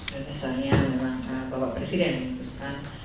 dan dasarnya memang bapak presiden yang memutuskan